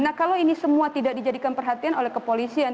nah kalau ini semua tidak dijadikan perhatian oleh kepolisian